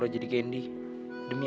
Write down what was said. aku gak bisa jadi apa apa